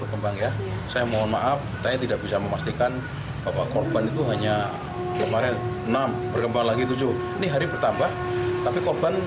kini sedang kita dalami